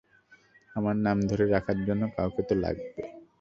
আমার নাম ধরে রাখার জন্য কাউকে তো লাগবে।